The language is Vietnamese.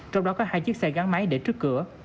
trong đó có hai chiếc xe gắn máy để trước cửa